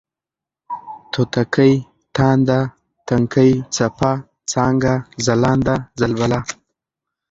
توتکۍ ، تانده ، تنکۍ ، څپه ، څانگه ، ځلانده ، ځلبله